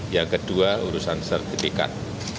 yang kedua urusan sertifikat